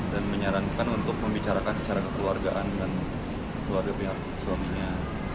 dan menyarankan untuk membicarakan secara kekeluargaan dan keluarga pihak suaminya